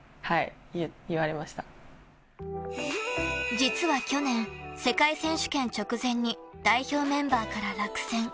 実は去年、世界選手権直前に代表メンバーから落選。